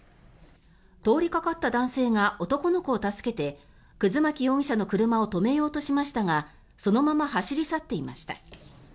通りかかった男性が男の子を助けて葛巻容疑者の車を止めようとしましたがそのまま走り去っていました。